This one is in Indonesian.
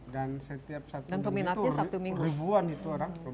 dan setiap satu minggu itu ribuan orang